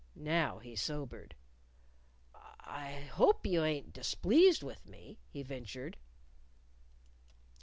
Now he sobered. "I hope you ain't displeased with me," he ventured.